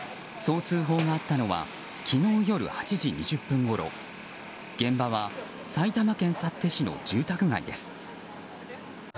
そう通報があったのは昨日夜８時２０分ごろ現場は埼玉県幸手市の住宅街です。